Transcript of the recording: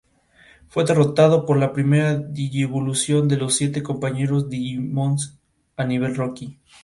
Fue derrotado por la primera digievolución de los siete compañeros digimons a nivel rookie.